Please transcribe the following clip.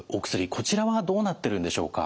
こちらはどうなってるんでしょうか？